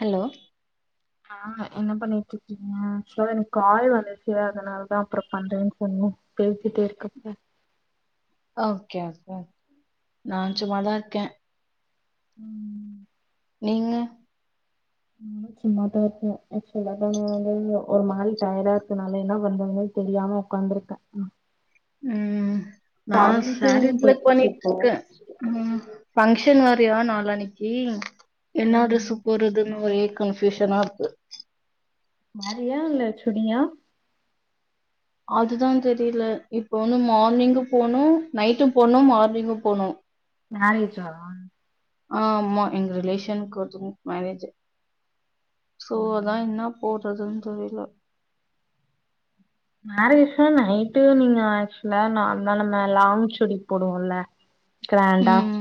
Hello ஆஹ் என்ன பண்ணிற்றிருக்கீங்க ஆக்சுவலா எனக்கு கால் வந்துர்ச்சி அதனால தா அப்ரோ பண்றேன் சொன்னே பேசிட்டே இருக்கப்ப ஓகே ஓகே நான் சும்மாதா இருக்கே உம் நீங்க நானு சும்மாதா இருக்கே ஆக்சுவலா நானு வந்து ஒரு மாரி டயடா இருக்குனால என்ன பன்றதுனே தெரியாம ஒட்காந்திருக்கே உம் நா சாரி ப்ளிட் போயிடுச்சு பண்ணிற்று இப்போ இருக்கே உம் ஃபங்க்ஷன் மாரியா நாளானிக்கி என்னா ம். டிரஸ்சு போறதுன்னு ஒரே கன்ஃயூஷ்னா இருக்கு நறையா இல்ல சுடியா அதுதா தெரில இப்பஒன்னு morning phone night phone morning phone மரேஜா ஆ மா எங்க ரிலேஷன் ஒருதோங்க்கு மேரேஜ் சோ அதான் என்ன போட் எதுவு தெரில மேரேஜ்தான நைட்டு நீங்க ஆக்சுவலா நார்மலா நம்ம லாங் சுடி போடுவோம்ல கிராண்டா ம்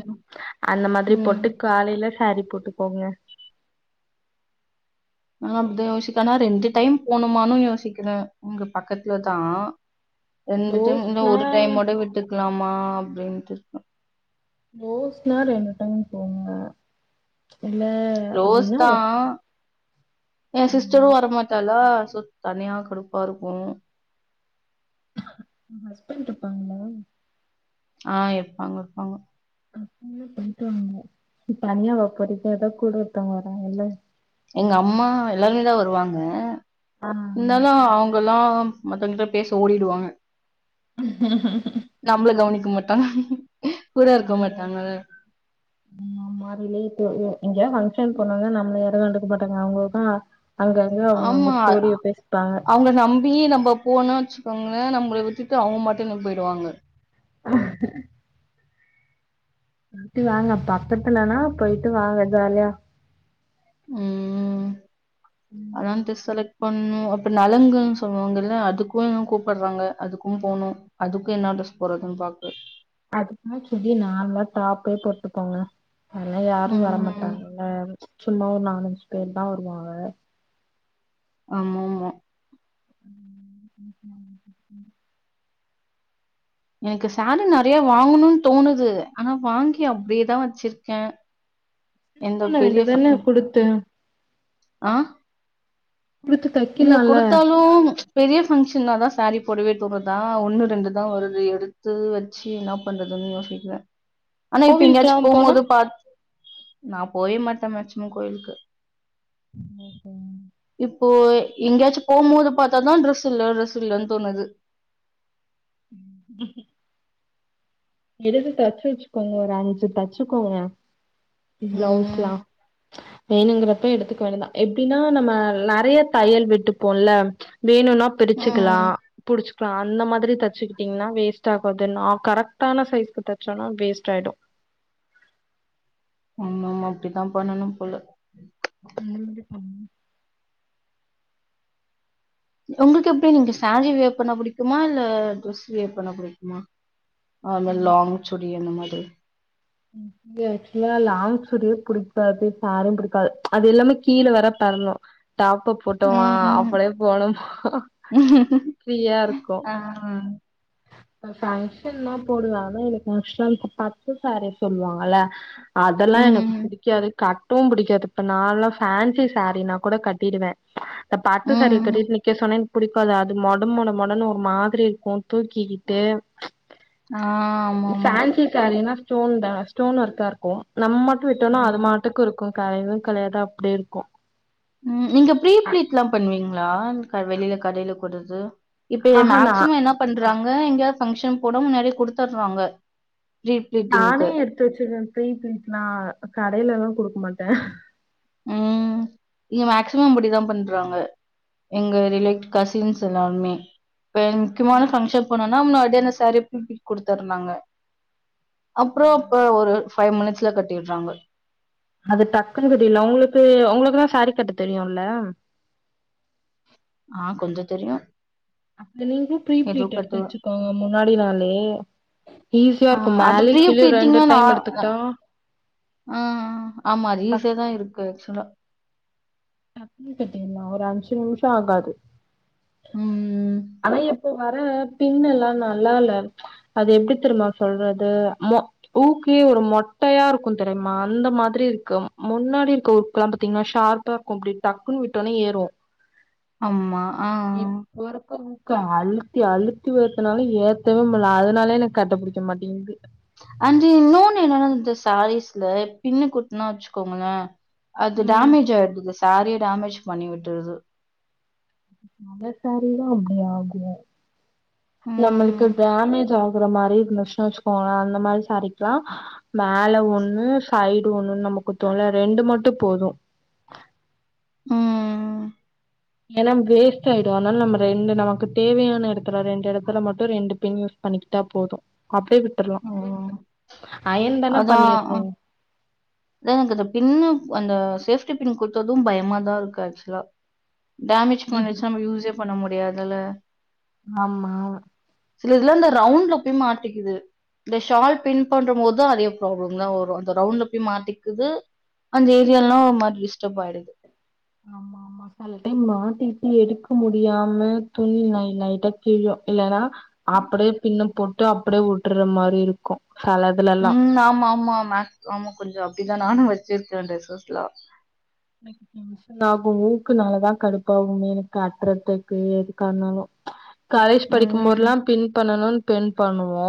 அந்த மாதிரி ம் போட்டு காலையில சாரி போட்டு போங்க நா வந்து யோசிக்கனா ரெண்டு டைம் போணுமானு யோசிக்கிற இங்க பக்கத்ல தா ரெண்டு டயம் இந்த ரோஸ்னா ஒரு டயம் மட்டு விட்டுக்கு [unintelligible] லாமா அப்டின்ட்டு ரோஸ்னா ரெண்டு டைம் போங்க இல்ல க்ளோஸ் அப்டின ஒரு தான். என் சிஸ்டரும் வரமாட்டாளா தனியா கடுப்பா இருக்கூ ஹஸ்பண்ட் இருப்பாங்கள ஆஹ் இருப்பாங்க இருப்பாங்க அப்ப என்ன போயிட்டு வாங்க தனியா வைப்பறதுக்கு ஏதோ கூட ஒருத்தவங்க வராங்கல்ல [unintelligible] எங்க அம்மா எல்லாருமே தான் வருவாங்க ஆ [unintelligible] அவங்கல்லாம் மத்தவங்க கிட்ட பேச ஓடிடுவாங்க நம்மள கவனிக்க மாட் ஆமா உம் ரிலேட்டிவ் [unintelligible] இங்கயா ஃபங்கஷன் போனானா நம்ம கண்டுக்க மாட்டாங்க அவங்களுக்க ஆமா அவங்க நம்பி நம்ம போன வச்சுக்கோங்களே நம்மள விட்டுட்டு அவங்க மட்டும் போயிடுவாங்க அஹ போயிட்டு வாங்க பக்கத்துலனா போயிட்டு வாங்க ஜாலியா உம் அனம் ம் தெஸ்ல்ல [unintelligible] பண்ணும் அப்புறம் நலுங்குன்னு சொல்லுவாங்கல்ல அதுக்கும் கூப்பிடுறாங்க அதுக்கும் போகணும் அதுக்கும் என்ன ட்ரஸ் போடறதுன்னு பாக்கு அதுக்கும் சுடி நார்மலா டாப்பே போட்டுக்கோங்க அதல்லாம் யாரும் ம் வரமாட்டாங்கல்ல சும்மா ஒரு நாலஞ்சு பேர் தான் வருவாங்க ஆம ஆமாமா உம் உ [inaudible] எனக்கு சாரீ நிறைய வாங்கணும்னு தோணுது ஆனா வாங்கி அப்படியேதான் வச்சிருக்கேன் இது எந்த பண்ண பெரிய வேண்டியதானே குடுத்து ஆஹ் [unintelligible] குடுத்து இல்ல தைக்கலால்ல கொடுத்தாலும் பெரிய ஃபங்க்ஷன் தான் சாரீ பொடிவே தூர தான் ஒண்ணு ரெண்டு தான் வருது எடுத்து வச்சு என்ன பண்றதுன்னு யோசிக்கறேன் ஆனா இப்ப கோவிலுக்குலா எங்கேயாச்சும் போனா போகும்போது பார்த்து நான் போயே மாட்டேன் மேக்ஸிமம் கோயிலுக்கு ஓகே [inaudible] இப்போ எங்கேயாச்சும் போகும்போது பார்த்தாதான் ட்ரெஸ் இல்லை ட்ரெஸ் இல்லன்னு தோணுது உம் [inaudible] எடுத்து தச்சு வச்சுக்கோங்க ஒரு அஞ்சு தச்சுக்கோங்க ம். பிளவுஸ்லாம் வேணுங்கிறப்ப எடுத்துக்க வேண்டியதுதான் எப்படின்னா நம்ம நிறைய தையல் விட்டுப்போம்ல்ல வேணுனா பிரிச்சுக்கலா ம். புடிச் ப்ப அந்த மாதிரி தச்சுக்கிட்டிங்கன்னா வேஸ்ட் ஆகாது நா கரெக்ட் கத்தான சைஸ்க்கு தைச்சோனா வேஸ்ட் ஆய்டும் ஆமாம்மா அப்படித்தான் பண்ணனும் பொல அந்த மாரி பண்ணு உங்களுக்கு எப்படி நீங்க சேரி வியர் பண்ண புடிக்குமா இல்ல ட்ரெஸ் வியர் பண்ண பிடிக்குமா அந்த லாங்சுடி அந்த மாதிரி து அக்சுவலா லாங் சுடியே புடிக்காது சார்யும் பிடிக்காது அது எல்லாமே கீழே வேற பேரளும் டாப்ப போட்டாமா ம். அப்படியே போனோமா ஃப்ரீயா இருக்கும் ஆ. இப்ப பங்க்ஷன் நா போடுவன் அதும் எனக்கு [unintelligible] பட்டு சாரி சொல்லுவாங்கல்ல அதெல்லா எனக்கு ம். பிடிக்காது கட் தும் பிடிக்காது இப்ப நாலா ஃப்பேன்சி சாரினா கூட கட்டிடுவேன் இந்த பட்டு சாரிய ம். கட்டுட்டு நிக்க சொன்னா புடிக்காது அது மொட மொட மொடனு ஒரு மாதிரி இருக்கும் தூக்கி கிட்டு ஆ ஆமாமா. ஃப்பேன்சி சாரினா ஸ்டோ தா ஸ்டோன் ஒர்க்கா ருக்கு நம்ம [unintelligible] கட்டி விட்டோனா அது ம். மாட்டுக்கு இருக்கு கலையவே கலையாது அப்டியேருக்கு ம் நீங்க ப்பீரி ப்ளீட்லா பண்ணுவீங் நா க வெளில கடைல கொடுத்து இப்பயே ஆஹா நா மேக்சிமோ என்ன பண்றாங்க எங்கயாவ் ஃபங்க்ஷன் போட முன்னாடியே குடுத்துர்றாங்க நானே எடுத்து வச்சிருவே ப்ரீ ப்லீட்லா கடைலலா குடுக் மாட்டெ உம் இங்க மேக்சிமம் அப்பிடிதா பண்றாங்க எங்க ரிலேட் கசின்ஸ் எல்லாருமே இப்ப முக்கியமான ஃபங்க்ஷன் போனோனா முன்னாட்யே அந்தஸ் சரிப்பன்னி குடுத்தருனாங்க அப்றோப்ப ஒரு ஃபைவ் மினிட்ஸ்ல கட்டிட்றாங்க அது டக்குன்னு கட்டிலா உங்களுக்கு உங்களுக்குலா சேரி கட்ட தெரியுல்லே ஆஹ் கொஞ்சொ தெரியு அப்னா நீங்ளு ப்ரீ ப்ளீட் எடுத்து வச்சுக்கோங்க முன்னாடி நாளே ஈஸியா ஆ இருக்கு அது மேலயு ப்ரீ கீலையு ரெண்டு ப்ளீட்டிங்னா நா டைம் எடுத்துக்ட்டா ஆ ஆமா அது டக் ஈஸியா தான் இருக்கு ஆக்சுவலா. டக்குனு கட்டிட்லா ஒரு அஞ்சு நிமிஷொ ஆகாது உம் அதா எப்போ வர பின் எல்லா நல்லால அது எப்டி தெரிமா சொல்றது மொ ஊக்கே ஒரு மொட்டையாருக்கு தெரிமா அந்த மாதிரி இருக்கு முன்னாடி இருக்க ஊக்குலா பாத்திங்னா ஷார்பா இருக்கு இப்டி டக்குன்னு விட்டோனே ஏறு ஆம்மா ஆஹ் ஊக்கு அழுத்தி அழுத்தி வேத்னாலு ஏத்தவே முல்ல அதனாலே எனக் கட்ட புடிக்க மாட்டிங்குது ஆன்டு இன்னோனு என்னனா இந்த சாரீஸ்ல பின்னு குத்னா வச்சிக்கோங்களே அது ம் டேமேஜ் ஆய்டுது சேரியே டமேஜ் பண்ணி விட்டுருது நல்ல சாரிலா அப்படி ஆகும் நம்மளுக்கு ம். டாமேஜ் ஆகு ஒரு மாரி இருந்துச்சுனு வச்சுக்கோங்களன் அந்த மாதிரி சரிக்கலா மேல ஒண்ணு சைடு ஒண்ணுன்னு நம குத்துவோல ரெண்டு மட்டும் போதும் ம். ஏனா வேஸ்ட் ஆயிடும் அதனால நம்ம ரெண்டு நமக்கு தேவையான இடத்துல ரெண்டு இடத்துல மட்டும் ரெண்டு பின் யூஸ் பண்ணிக்கிட்டா போதும் அப்படியே உம் அதான் பண்ணிர்றோ அத எனக்கு பின்னு அந்த சேஃப்டி பின் குத்துறதும் பயமாதான் இருக்கு ஆக்சுவலா டேமேஜ் பண்ணிருச்ச நம்ம யூஸே பண்ண முடியாது தல ஆமா சிலதுலா அந்த ரவுண்ட்ல போய் மாட்டிக்குது இந்த ஷால் பின்பண்றமோது அதே ப்ராப்ளம்தான் வரும் அந்த ரவுண்ட்ல போய் மாட்டிக்குது அந்த ஏரியாலா ஒரு மாதிரி டிஸ்டர்ப் ஆயிடுது ஆமா ஆமா செல டைம் மாட்டிட்டு எடுக்க முடியாம துணி லை லைட்டா கிழியு இல்லனா அப்டே பின்ன போட் டே அப்டே உட்ற மாரி இருக்கு செலதுலல்லா உம் ஆமாம்மாம்மா ஆமா கொஞ்ச அப்டிதா நானு வச்சிருக்கே ட்ரெஸ்ஸஸ்லா எனக்கு டென்ஷன் ஆகு ஊக்கு நாலதா கடுப்பாகுமே எனக்கு கட்றத்துக்கு எதுக்கானாலு காலேஜ் படிக்கும்போதுலா ம். பின் பண்ணனுன் பின்பண்ணுவோ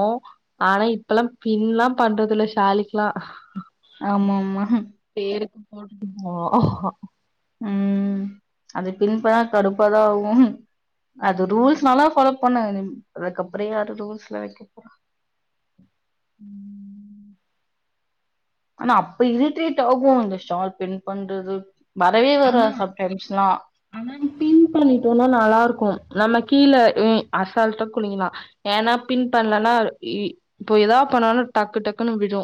ஆனா இப்பலா பின்லா பண்றது இல்ல ஷாலுக்குலா ஆமா ஆமா போட்டுட்டு போவோ ஒ ஹோ உம் அத பின்பண்ண கடுப்பாதா ஆகு அது ரூல்ஸ் நால ஃபாலோப் பண்ணுவேங்க அதுக்கப்ற யாரு ரூல்ஸ்லா வெக்க போறா உம் ஆனா அப்ப இரிட்டேட் ஆகு அந்த ஷால் பின்பண்றது ஆனா ஆனா பின் பண்ணிட்போனா நல்ல இருக்கு நம்ம கீழ ஏ அசால்ட்டா குனியலா ஏனா பின் பண்லனா இ இப்போ எதா பண்ணாலு டக்கு டக்குன்னு விழு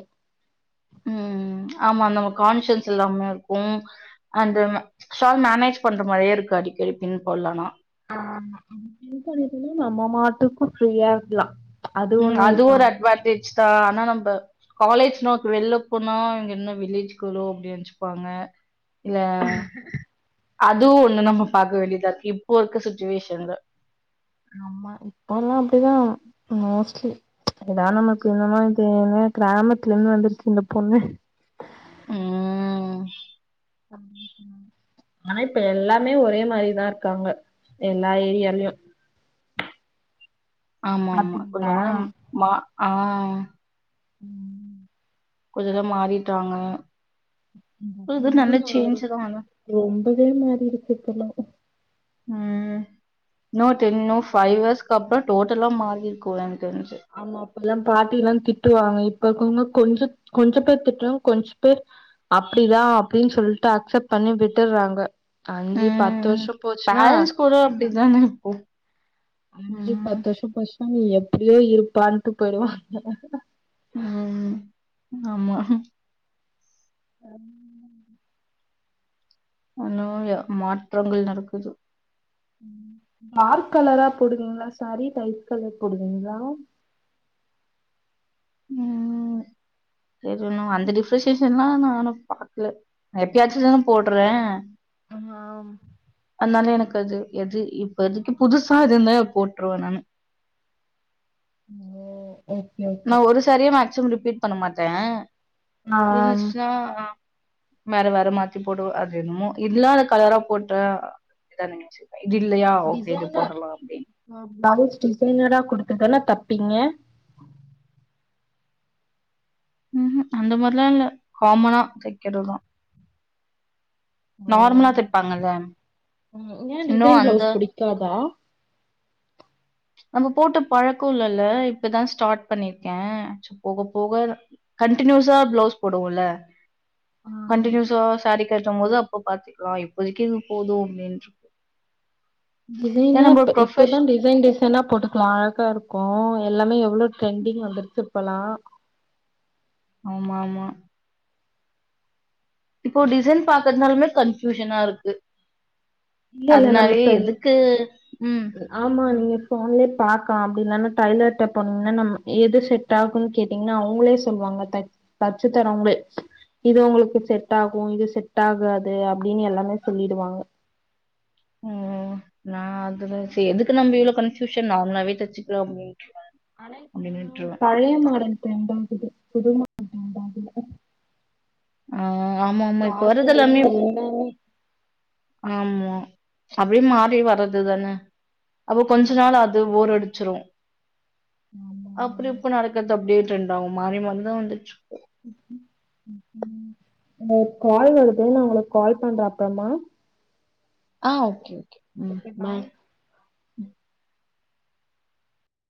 உம் ஆமா நம்ம கான்சியன்ஸ் இல்லாம இருக்கு அந்த ஷால் மேனேஜ் பண்ற மாரியே இருக்கு அடிக்கடி பின் போட்லனா ஆஹ் [unintelligible] நம்ம மாட்டுக்கு ஃப்ரீயா இருக்கலா உம் ஒண்ணு அது இருக்கு ஒரு அட்வாடேஜ் தா ஆனா நம்ப காலேஜ் நோக்கு வெள்லப்போனா இவ்ங்க என்ன வில்லேஜ் கேர்ளோ அப்டி நெனச்சுப்பாங்க இல்ல அதுவு ஒன்னு நம்ம பாக்க வேண்டிதா இருக்கு இப்போ இருக்க சுச்சுவேஷன்ல ஆமா இப்போலா அப்டிதா மோஸ்ட்லி இதுதா நமக்கு என்னமா இது என்ன கிராமத்துல இருந்து வந்துருக்கு இந்த பொண்ணு உம் ஆனா இப்ப எல்லாமே ஒரே மாரிதா இருக்காங்க எல்லா ஏரியாலயு ஆமா ஆமா கொஞ்ச பாத்தீங்களா நேரம்மா ஆஹ் உம் கொஞ்சதா மாறிட்டாங்க [unintelligible] இது நல்ல இருங்க வரோ சேஞ்ச் தா ஆனா ரொம்பவே மாறி இருக்கு இப்பலா உம் இன்னு டென்னவர் ஃபைவ் ஹவர்ஸ்க்கு அப்பற டோட்டலா மாறிருக்கு எனக் தெரிஞ்சு ஆமா அப்பல்லா பாட்டிலா திட்டுவாங்க இப்ப இருக்கவங்க கொஞ்ச கொஞ்சப்பேர் திட்டறோம் கொஞ்சப்பேர் அப்டிதா அப்டின் சொல்ட்டு அக்செப்ட் பண்ணி விட்டுட்றாங்க உம் பேரண்ட்ஸ் கூட அப்டிதானே இப்போ அஞ்சு ம் பத்து வருஷம் போச்சு [unintelligible] எப்டியோ இருப்பான்ட்டு போயிடுவாங்க [unintelligible] உம் ஆமா [unintelligible] ஆனாலு மாற்றங்கள் நடக்குது டார்க் கலரா போடுவிங்கங்களா சாரி லைட் கலர் போடுவிங்கங்களா உம் ம் தெரியணு அந்த டிஃப்ரசியேஷன்லா நானும் பாக்கல எப்பயாச்சும்தான போடுறேன் ஆமாம் னால எனக்கு அது எது இப்ப இதுக்கு புதுசா இது இருந்த போட்டுருவேன் நானு ஓ ஓகே ஓகே நான் ஒரு சாரியே மேக்சிமம் ரிப் பீட் பண்ண மாட்டேன் ஆ இருந்துச்சுனா ஆ வேற வேற மாத்தி போடு அது என்ணுமோ இல்லாத கலரா போட்ட இதான் நங்கச்சு டிசைனர்ஹ ப்லவுஸ் டிசைனரா குடு அதுதான தப்பீங்க ம்ஹம் அந்த மாரிலா இல்ல காமனா தைக்கிறதா ஓ நார்மலா தைப்பாங்கல்ல ம் ஏ இன்னு டிசைன் அந்த பிளவுஸ் புடிக்காதா ச்சு நம்ம போட்ட பழக்கம் இல்லல்ல இப்பதா ஸ்டார்ட் பண்ணிருக்கேன் ச்சு போக போக கண்டினியூஸா பிளவுஸ் போடுவோம்ல கண்டநியூஸ்சா சார கேட்டும் போது அப்ப பாத்துக்கலாம் இப்போதக்கு இது போதும் அப்படனு டிசைனா இப்ப இப்பதான் டிசைன் டிசைன் ன்னா போட்டுக்கலா அழகா இருக்கும் எல்லாமே எவ்ளோ டரெண்டிங் வந்துடுச்சுப்பலா ஆமா ஆமா இப்போ டிசைன் பாத் இருந்தாலுமே கன்ஃபயூஷனா இருக்கு இல்ல இல்ல நம்ம அதனாலயே த எதுக்கு ம் ஆமா நீங்க போன்லயே பாக்கா அப்படின்னானா டைலர்கிட்ட போனீங்கன்னா நம்ம எது செட் ஆகும்ன்னு கேட்டீங்கன்னா அவங்களே சொல்லுவாங்க தச் தச்சு தரவங்களே இது உங்களுக்கு செட் ஆகும் இது செட் ஆகாது அப்படின்னு எல்லாமே சொல்லிடுவாங்க ம் நான் அதுதான்ரி எதுக்கு நம்ம இவ்ளோ கன்ஃபியூஷன் நார்மலாவே தச்சுக்கலா அப்டினு பழைய மாடல் டிரெண்ட் ஆகுது குடுமா [unintelligible] ஆஹ் ஆமா ஆமா இப்போ வரதல்லாமே இருந்து எல்லாமே ஆமா அப்டி மாறி வர்றதுதானே அப்போ கொஞ்ச நாள் அது ஓர் எடுத் வச்சுருவோம் ஆமா ஆமா. அப்புறோ இப்ப நடக்கிறது அப்படியே ட்ரெண்ட் ஆகும் மாறி மாறி தான் வந்துட்டு இருக்கும் இன்னொரு கால் வருது நான் உங்களுக்கு கால் பண்றேன் அப்புறமா ஆஹ் ஓகே ஓ உம் பாய்